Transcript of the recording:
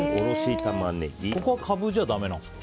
ここはカブじゃダメなんですか。